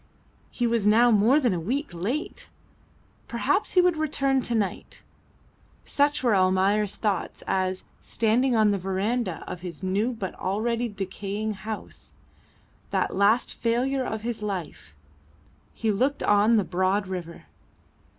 He was now more than a week late! Perhaps he would return to night. Such were Almayer's thoughts as, standing on the verandah of his new but already decaying house that last failure of his life he looked on the broad river.